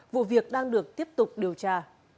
vụ việc đang được tiếp tục điều tra